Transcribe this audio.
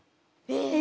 え！